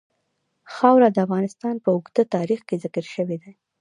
خاوره د افغانستان په اوږده تاریخ کې ذکر شوی دی.